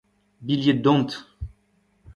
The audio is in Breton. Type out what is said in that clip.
bilhed dont